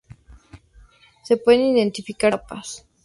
Se pueden identificar tres etapas.